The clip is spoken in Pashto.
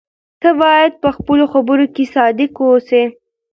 ته باید په خپلو خبرو کې صادق واوسې.